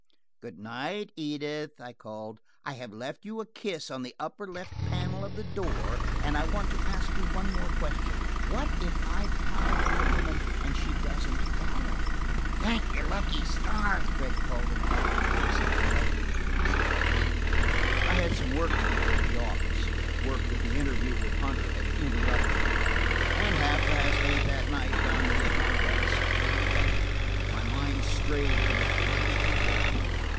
"Good night, Edith," I called, "I have left you a kiss on the upper left hand panel of the door. And I want to ask you one more question: what if I fly from the woman and she doesn't follow?" "Thank your lucky stars," Fred called in a muffled voice, and I left them to themselves. I had some work to do at the office, work that the interview with Hunter had interrupted, and half past eight hat night found me at my desk. But my mind strayed from the papers before me.